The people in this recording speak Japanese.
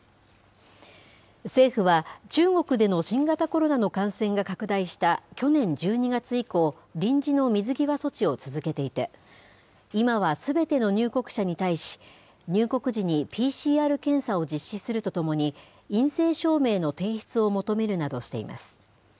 政府は、中国での新型コロナの感染が拡大した去年１２月以降、臨時の水際措置を続けていて、今はすべての入国者に対し、入国時にＰＣＲ検査を実施するとともに、陰性証明の提出を求めるなどしています。